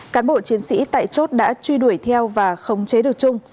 cán bộ chiến sĩ tại chốt đã truy đuổi theo và khống chế được trung